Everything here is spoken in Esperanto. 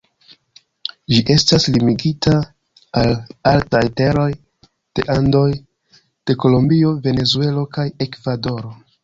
Ĝi estas limigita al altaj teroj de Andoj de Kolombio, Venezuelo kaj Ekvadoro.